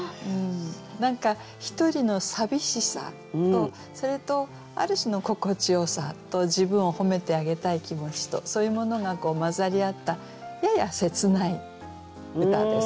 何か一人の寂しさとそれとある種の心地よさと自分を褒めてあげたい気持ちとそういうものが混ざり合ったやや切ない歌ですね。